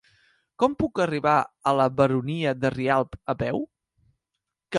Com puc arribar a la Baronia de Rialb a peu?